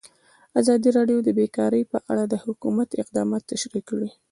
ازادي راډیو د بیکاري په اړه د حکومت اقدامات تشریح کړي.